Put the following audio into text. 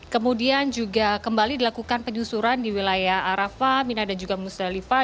kemudian juga kembali dilakukan penyusuran di wilayah arafa minada juga musdalifah